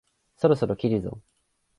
そろそろ切るぞ？